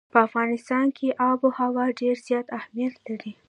په افغانستان کې آب وهوا ډېر زیات اهمیت لري.